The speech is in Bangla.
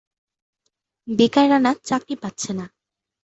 বেকার রানা চাকরি পাচ্ছে না।